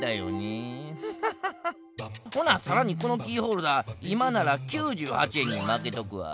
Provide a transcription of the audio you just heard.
ほなさらにこのキーホルダーいまなら９８円にまけとくわ。